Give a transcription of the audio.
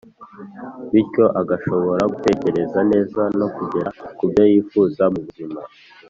bityo agashobora gutekereza neza no kugera kubyo yifuza mu buzima.